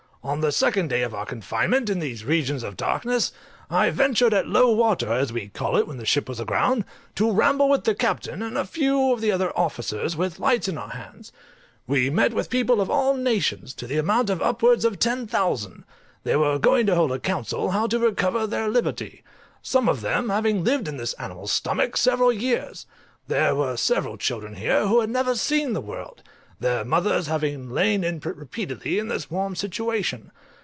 On the second day of our confinement in these regions of darkness, I ventured at low water, as we called it when the ship was aground, to ramble with the Captain, and a few of the other officers, with lights in our hands; we met with people of all nations, to the amount of upwards of ten thousand; they were going to hold a council how to recover their liberty; some of them having lived in this animal's stomach several years; there were several children here who had never seen the world, their mothers having lain in repeatedly in this warm situation.